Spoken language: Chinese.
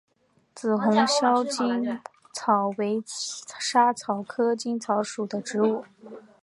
紫红鞘薹草为莎草科薹草属的植物。